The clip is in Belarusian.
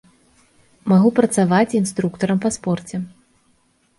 Магу працаваць інструктарам па спорце.